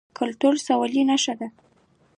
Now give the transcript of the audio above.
کوتره د سولې نښه ده